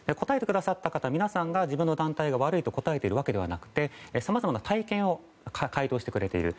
その方、皆さんが自分の団体が悪いと答えているわけではなくてさまざまな体験を回答してくれている。